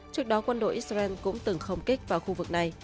trước đó quân đội israel cũng từng không kích vào khu vực này